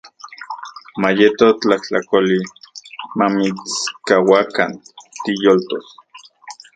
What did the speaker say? Mayeto tlajtlakoli mamitskauakan tiyoltos.